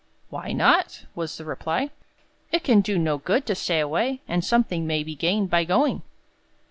"Why not?" was the reply. "It can do no good to stay away, and something may be gained by going."